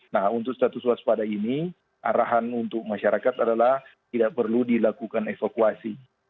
nah untuk status waspada ini arahan untuk masyarakat adalah tidak perlu dilakukan evakuasi